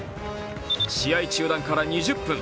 試合中断から２０分。